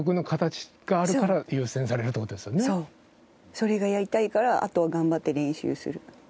それがやりたいからあとは頑張って練習する。